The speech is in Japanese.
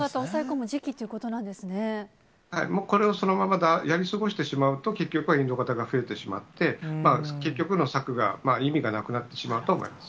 もうこれをそのまま、やりすごしてしまうと、結局はインド型が増えてしまって、結局の策が、意味がなくなってしまうと思います。